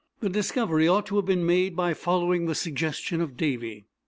The discovery ought to have been made by following the suggestion of Davy.